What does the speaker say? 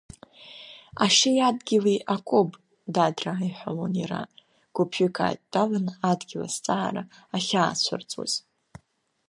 Ашьеи адгьыли акоуп, дадраа, иҳәалон иара, гәыԥҩык ааидтәалан адгьыл азҵаара ахьаацәырҵуаз.